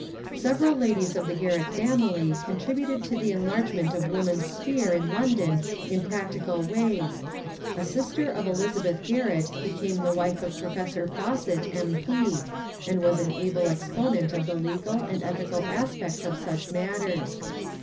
Several ladies of the Garrett family contributed to the en largement of woman's sphere in London in practical ways. A sister of Elizabeth Garrett became the wife of Professor Fawcett, M. P., and was an able exponent of the legal and ethical aspects of such matters.